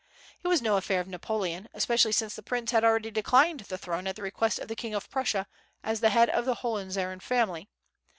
It was no affair of Napoleon, especially since the prince had already declined the throne at the request of the king of Prussia, as the head of the Hohenzollern family.